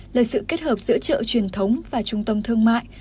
là sự kết hợp giữa chợ truyền thống và trung tâm thương mại